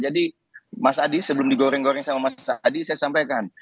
jadi mas ahi sebelum digoreng goreng sama mas ahi saya sampaikan